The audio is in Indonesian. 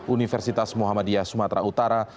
universitas muhammadiyah sumatera utara